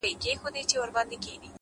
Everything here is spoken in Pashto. پوه انسان د ناپوهۍ له منلو نه شرمیږي،